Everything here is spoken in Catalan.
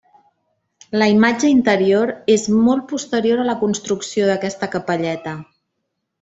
La imatge interior és molt posterior a la construcció d'aquesta capelleta.